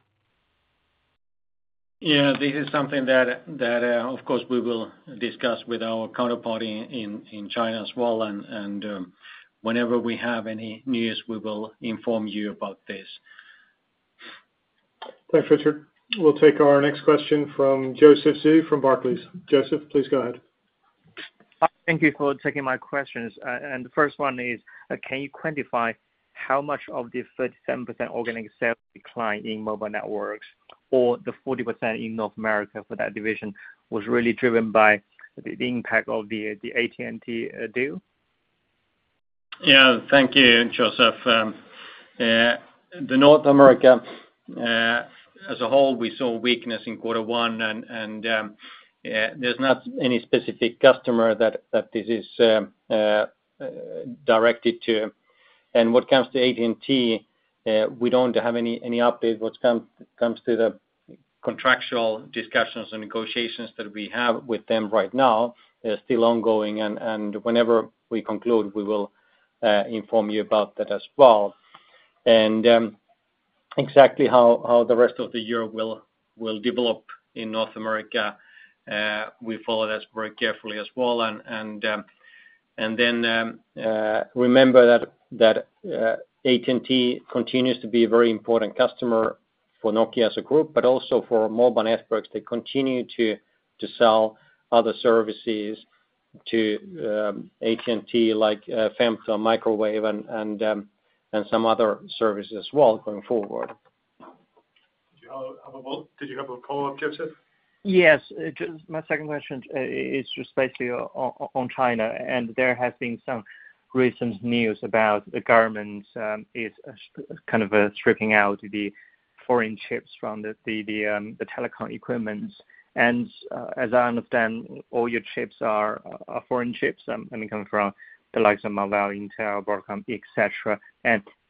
Yeah, this is something that, of course, we will discuss with our counterparty in China as well. Whenever we have any news, we will inform you about this. Thanks, Richard. We'll take our next question from Joseph Zhou from Barclays. Joseph, please go ahead. Thank you for taking my questions. The first one is, can you quantify how much of the 37% organic sales decline in Mobile Networks or the 40% in North America for that division was really driven by the impact of the AT&T deal? Yeah, thank you, Joseph. North America as a whole, we saw weakness in quarter one, and there's not any specific customer that this is directed to. What comes to AT&T, we don't have any update. What comes to the contractual discussions and negotiations that we have with them right now, they're still ongoing. Whenever we conclude, we will inform you about that as well. Exactly how the rest of the year will develop in North America, we follow that very carefully as well. Remember that AT&T continues to be a very important customer for Nokia as a group, but also for Mobile Networks. They continue to sell other services to AT&T like femto and microwave and some other services as well going forward. Did you have a follow-up, Joseph? Yes. My second question is just basically on China. There has been some recent news about the government is kind of stripping out the foreign chips from the telecom equipment. As I understand, all your chips are foreign chips. I mean, coming from the likes of Marvell, Intel, Broadcom, etc.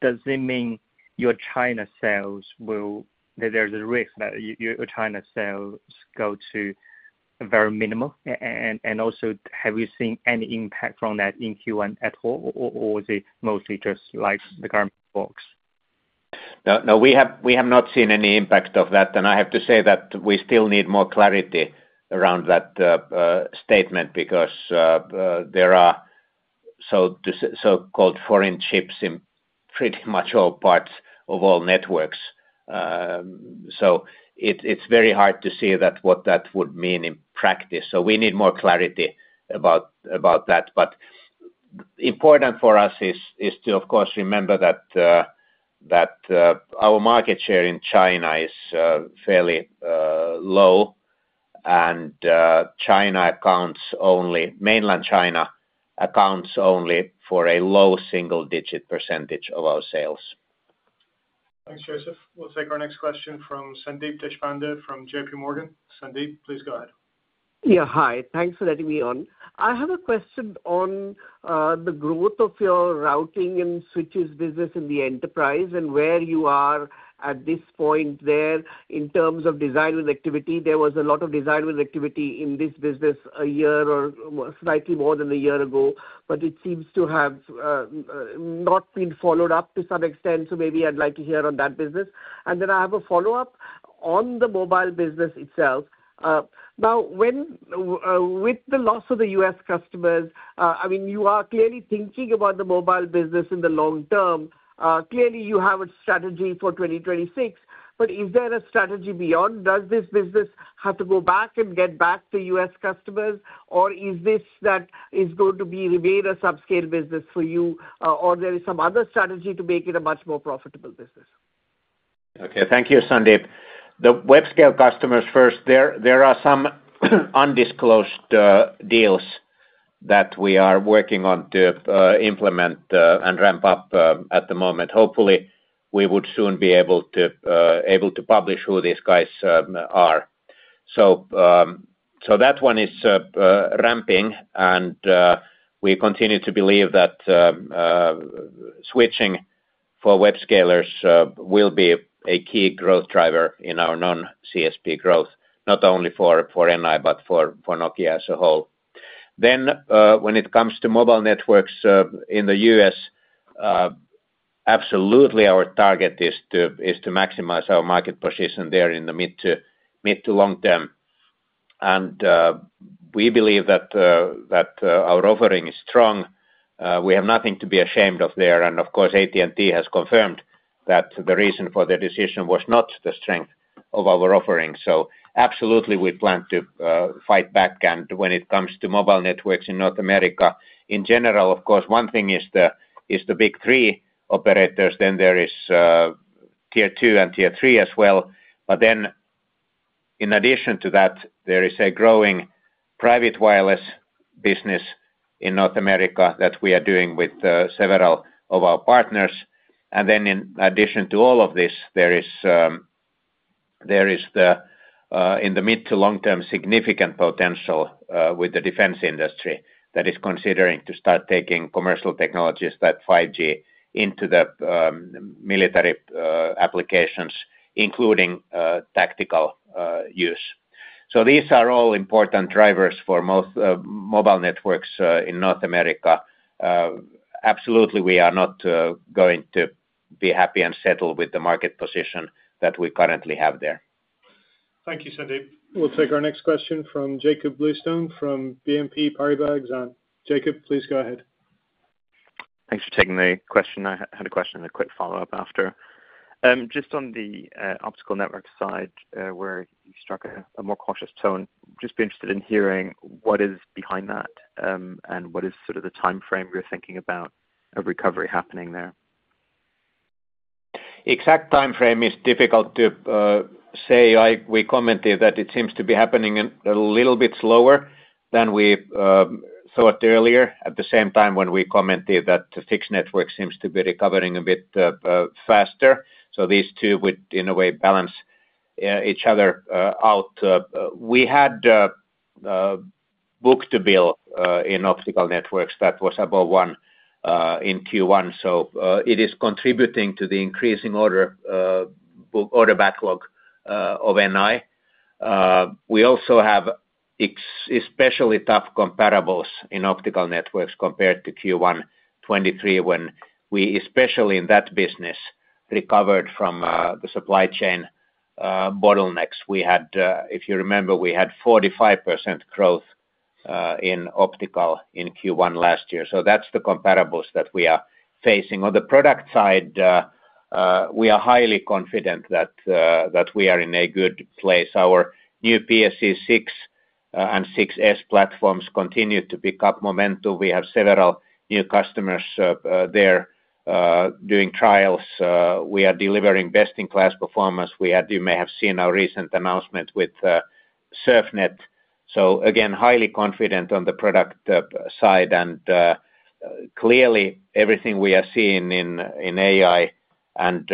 Does it mean your China sales will. There's a risk that your China sales go to very minimal? Also, have you seen any impact from that in Q1 at all, or is it mostly just like the government books? No, we have not seen any impact of that. I have to say that we still need more clarity around that statement because there are so-called foreign chips in pretty much all parts of all networks. It's very hard to see what that would mean in practice. We need more clarity about that. Important for us is to, of course, remember that our market share in China is fairly low, and mainland China accounts only for a low single-digit % of our sales. Thanks, Joseph. We'll take our next question from Sandeep Deshpande from J.P. Morgan. Sandeep, please go ahead. Yeah, hi. Thanks for letting me on. I have a question on the growth of your routing and switches business in the enterprise and where you are at this point there in terms of design-win activity. There was a lot of design-win activity in this business a year or slightly more than a year ago, but it seems to have not been followed up to some extent. So maybe I'd like to hear on that business. And then I have a follow-up on the mobile business itself. Now, with the loss of the U.S. customers, I mean, you are clearly thinking about the mobile business in the long term. Clearly, you have a strategy for 2026, but is there a strategy beyond? Does this business have to go back and get back to U.S. customers, or is this that is going to remain a subscale business for you, or there is some other strategy to make it a much more profitable business? Okay, thank you, Sandeep. The web-scale customers first, there are some undisclosed deals that we are working on to implement and ramp up at the moment. Hopefully, we would soon be able to publish who these guys are. So that one is ramping, and we continue to believe that switching for web-scalers will be a key growth driver in our non-CSP growth, not only for NI but for Nokia as a whole. Then when it comes to mobile networks in the U.S., absolutely, our target is to maximize our market position there in the mid to long term. And we believe that our offering is strong. We have nothing to be ashamed of there. And of course, AT&T has confirmed that the reason for the decision was not the strength of our offering. So absolutely, we plan to fight back. When it comes to mobile networks in North America in general, of course, one thing is the big three operators. Then there is tier two and tier three as well. But then in addition to that, there is a growing private wireless business in North America that we are doing with several of our partners. And then in addition to all of this, there is in the mid- to long-term, significant potential with the defense industry that is considering to start taking commercial technologies, that 5G, into the military applications, including tactical use. So these are all important drivers for most mobile networks in North America. Absolutely, we are not going to be happy and settled with the market position that we currently have there. Thank you, Sandeep. We'll take our next question from Jakob Bluestone from BNP Paribas Exane. Jakob, please go ahead. Thanks for taking the question. I had a question and a quick follow-up after. Just on the optical network side where you struck a more cautious tone, just be interested in hearing what is behind that and what is sort of the timeframe you're thinking about a recovery happening there? The exact timeframe is difficult to say. We commented that it seems to be happening a little bit slower than we thought earlier. At the same time, when we commented that the fixed network seems to be recovering a bit faster. So these two, in a way, balance each other out. We had book-to-bill in optical networks that was above one in Q1. So it is contributing to the increasing order backlog of NI. We also have especially tough comparables in optical networks compared to Q1 2023 when we, especially in that business, recovered from the supply chain bottlenecks. If you remember, we had 45% growth in optical in Q1 last year. So that's the comparables that we are facing. On the product side, we are highly confident that we are in a good place. Our new PSE-6s platforms continue to pick up momentum. We have several new customers there doing trials. We are delivering best-in-class performance. You may have seen our recent announcement with SURFnet. So again, highly confident on the product side. And clearly, everything we are seeing in AI and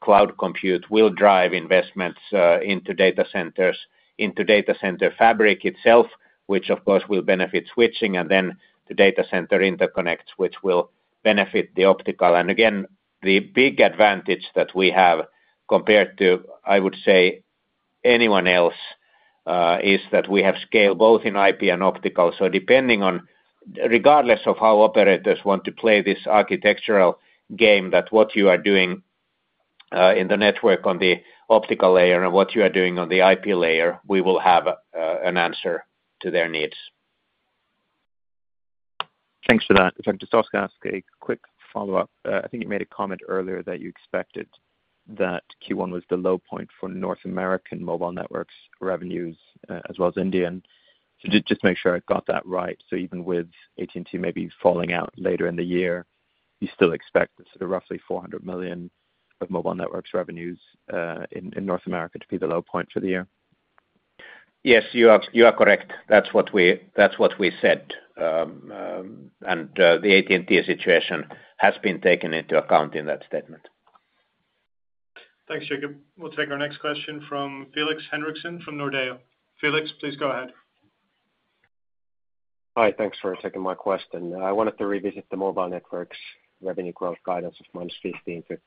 cloud compute will drive investments into data centers, into data center fabric itself, which, of course, will benefit switching, and then to data center interconnects, which will benefit the optical. And again, the big advantage that we have compared to, I would say, anyone else is that we have scale both in IP and optical. So regardless of how operators want to play this architectural game, that what you are doing in the network on the optical layer and what you are doing on the IP layer, we will have an answer to their needs. Thanks for that. Just a quick follow-up. I think you made a comment earlier that you expected that Q1 was the low point for North American mobile networks revenues as well as Indian. So just to make sure I got that right, so even with AT&T maybe falling out later in the year, you still expect sort of roughly 400 million of mobile networks revenues in North America to be the low point for the year? Yes, you are correct. That's what we said. The AT&T situation has been taken into account in that statement. Thanks, Jakob. We'll take our next question from Felix Henriksson from Nordea. Felix, please go ahead. Hi. Thanks for taking my question. I wanted to revisit the Mobile Networks revenue growth guidance of -15% to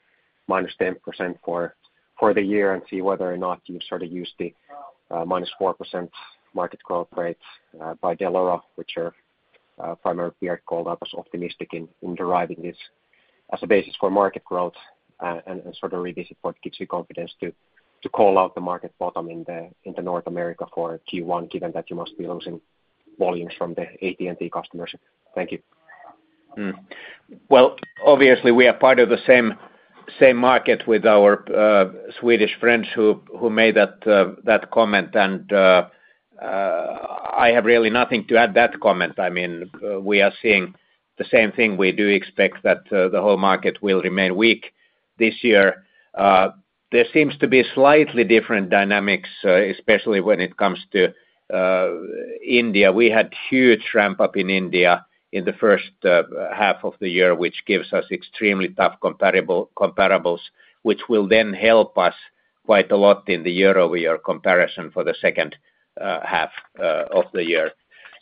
-10% for the year and see whether or not you've sort of used the -4% market growth rate by Dell'Oro, which were primarily called out as optimistic in deriving this as a basis for market growth and sort of revisit what gives you confidence to call out the market bottom in North America for Q1, given that you must be losing volumes from the AT&T customers. Thank you. Well, obviously, we are part of the same market with our Swedish friends who made that comment. I have really nothing to add to that comment. I mean, we are seeing the same thing. We do expect that the whole market will remain weak this year. There seems to be slightly different dynamics, especially when it comes to India. We had huge ramp-up in India in the first half of the year, which gives us extremely tough comparables, which will then help us quite a lot in the year-over-year comparison for the second half of the year.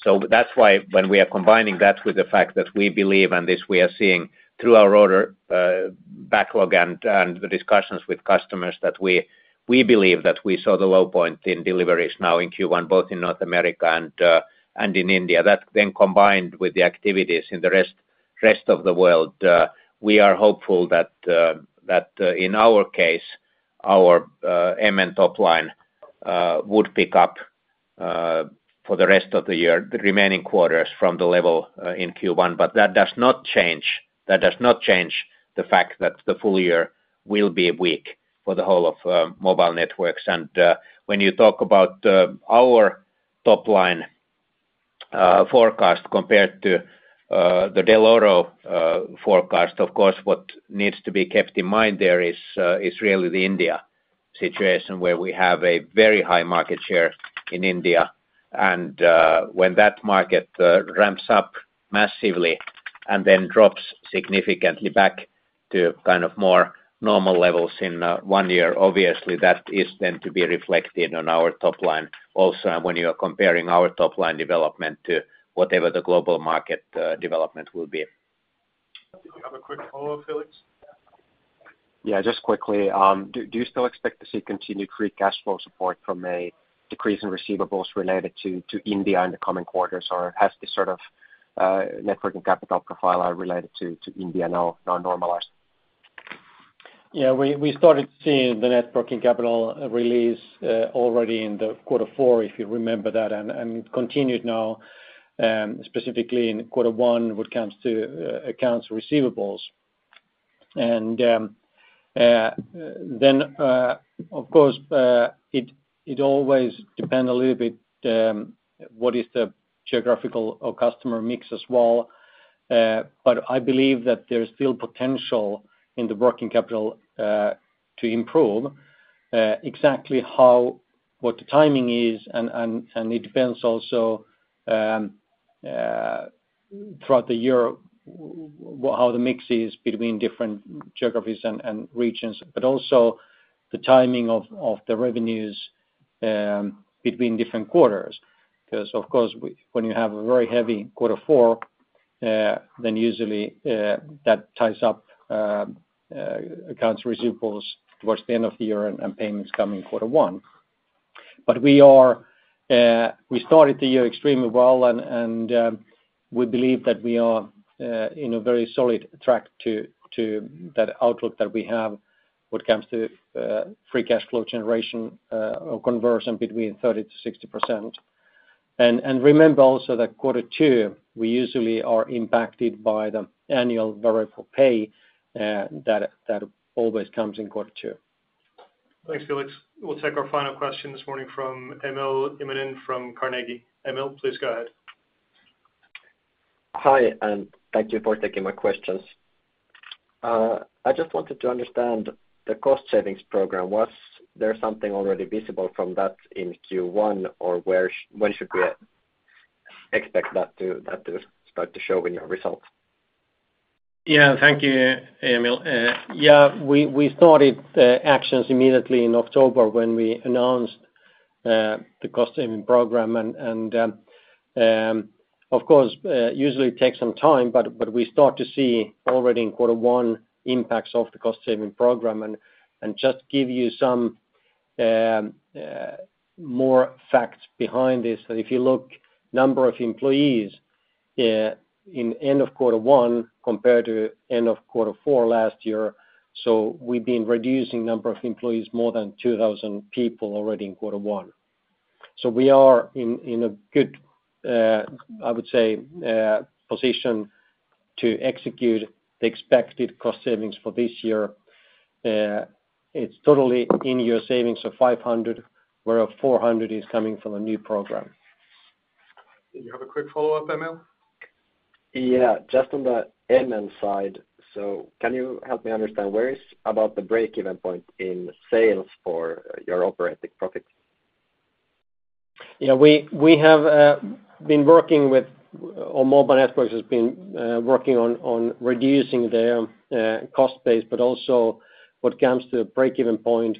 So that's why when we are combining that with the fact that we believe, and this we are seeing through our order backlog and the discussions with customers, that we believe that we saw the low point in deliveries now in Q1, both in North America and in India. That, then combined with the activities in the rest of the world, we are hopeful that in our case, our MN top line would pick up for the rest of the year, the remaining quarters from the level in Q1. But that does not change. That does not change the fact that the full year will be weak for the whole of Mobile Networks. And when you talk about our top line forecast compared to the Dell'Oro forecast, of course, what needs to be kept in mind there is really the India situation where we have a very high market share in India. And when that market ramps up massively and then drops significantly back to kind of more normal levels in one year, obviously, that is then to be reflected on our top line. Also when you are comparing our top line development to whatever the global market development will be. Did you have a quick follow-up, Felix? Yeah, just quickly. Do you still expect to see continued free cash flow support from a decrease in receivables related to India in the coming quarters, or has this sort of working capital profile related to India now normalized? Yeah, we started seeing the net working capital release already in the quarter four, if you remember that, and it continued now, specifically in quarter one when it comes to accounts receivables. And then, of course, it always depends a little bit what is the geographical or customer mix as well. But I believe that there's still potential in the working capital to improve, exactly what the timing is. And it depends also throughout the year how the mix is between different geographies and regions, but also the timing of the revenues between different quarters. Because, of course, when you have a very heavy quarter four, then usually that ties up accounts receivables towards the end of the year and payments come in quarter one. But we started the year extremely well, and we believe that we are in a very solid track to that outlook that we have when it comes to free cash flow generation or conversion between 30%-60%. And remember also that quarter two, we usually are impacted by the annual variable pay that always comes in quarter two. Thanks, Felix. We'll take our final question this morning from Emil Immonen from Carnegie. Emil, please go ahead. Hi, and thank you for taking my questions. I just wanted to understand the cost savings program. Was there something already visible from that in Q1, or when should we expect that to start to show in your results? Yeah, thank you, Emil. Yeah, we started actions immediately in October when we announced the cost saving program. Of course, usually it takes some time, but we start to see already in quarter one impacts of the cost saving program. And just to give you some more facts behind this, if you look at the number of employees in end of quarter one compared to end of quarter four last year, so we've been reducing the number of employees more than 2,000 people already in quarter one. So we are in a good, I would say, position to execute the expected cost savings for this year. It's totally in-year savings of 500 million, whereas 400 million is coming from a new program. Did you have a quick follow-up, Emil? Yeah, just on the MN side. So can you help me understand where is about the breakeven point in sales for your operating profit? Yeah, we have been working with all Mobile Networks have been working on reducing their cost base, but also when it comes to breakeven point.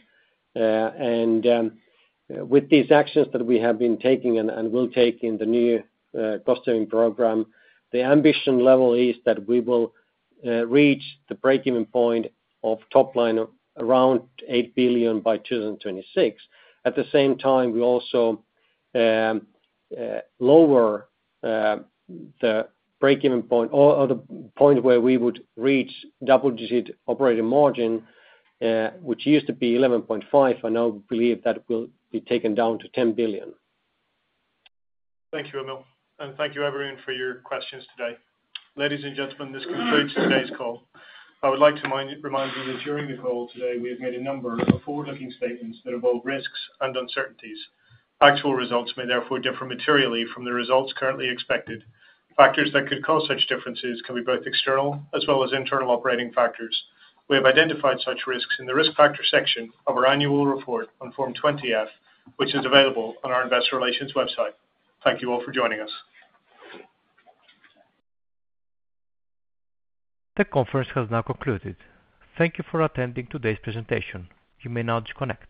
With these actions that we have been taking and will take in the new cost saving program, the ambition level is that we will reach the breakeven point of top line around 8 billion by 2026. At the same time, we also lower the breakeven point or the point where we would reach double-digit operating margin, which used to be 11.5 billion. I now believe that will be taken down to 10 billion. Thank you, Emil. Thank you, everyone, for your questions today. Ladies and gentlemen, this concludes today's call. I would like to remind you that during the call today, we have made a number of forward-looking statements that involve risks and uncertainties. Actual results may therefore differ materially from the results currently expected. Factors that could cause such differences can be both external as well as internal operating factors. We have identified such risks in the risk factor section of our annual report on Form 20-F, which is available on our investor relations website. Thank you all for joining us. The conference has now concluded. Thank you for attending today's presentation. You may now disconnect.